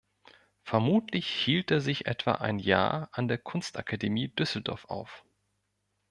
Vermutlich hielt er sich etwa ein Jahr an der Kunstakademie Düsseldorf auf.